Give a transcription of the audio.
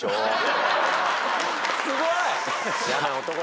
すごい！